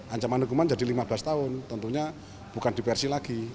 ancaman hukuman jadi lima belas tahun tentunya bukan diversi lagi